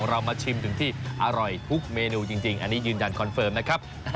เรามาชิมถึงที่อร่อยทุกเมนูจริงอันนี้ยืนยันคอนเฟิร์มนะครับ